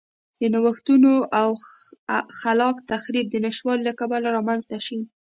د نوښتونو او خلاق تخریب د نشتوالي له کبله رامنځته شي.